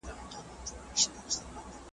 محتسب را سي و انتقام ته `